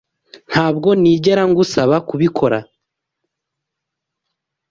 Ntabwo nigera ngusaba kubikora.